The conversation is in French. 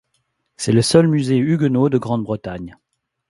C'est le seul musée huguenot de Grande-Bretagne.